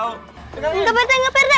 nggak pak rete